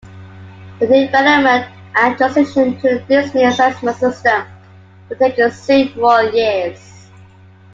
The development and transition to this new assessment system will take several years.